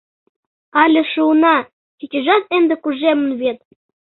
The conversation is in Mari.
Але шуына, кечыжат ынде кужемын вет.